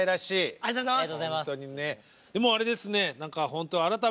ありがとうございます。